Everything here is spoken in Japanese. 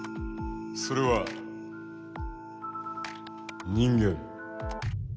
それは人間。